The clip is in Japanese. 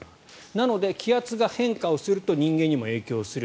なので、気圧が変化すると人間にも影響する。